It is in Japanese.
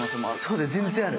そうだよ全然ある。